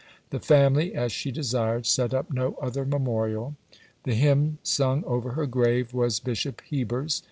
The family, as she desired, set up no other memorial. The hymn sung over her grave was Bishop Heber's.